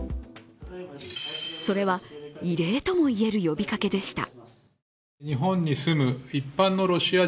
それは、異例ともいえる呼びかけでした。